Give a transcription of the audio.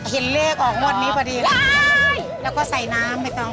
เห็นเลขออกงวดนี้พอดีเลยแล้วก็ใส่น้ำใบตอง